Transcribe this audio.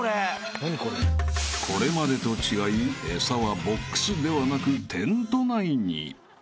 ［これまでと違い餌はボックスではなくテント内に］